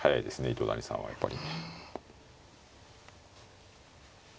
糸谷さんはやっぱり。